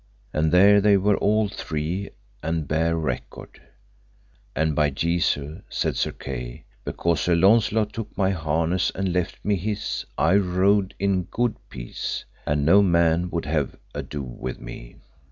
And there they were all three, and bare record. And by Jesu, said Sir Kay, because Sir Launcelot took my harness and left me his I rode in good peace, and no man would have ado with me.